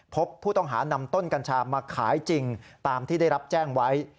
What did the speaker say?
พบผู้ต้องหานำต้นกัญชามาขายจริงตามที่ได้รับแจ้งไว้